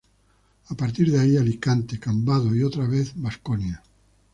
A partir de ahí, Alicante, Cambados y otra vez Baskonia.